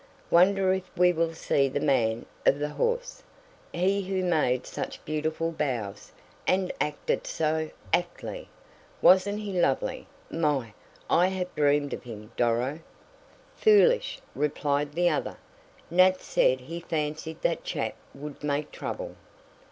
"Wonder if we will see the man of the horse? He who made such beautiful bows, and acted so actly. Wasn't he lovely? My, I have dreamed of him, Doro!" "Foolish," replied the other. "Nat said he fancied that chap would make trouble."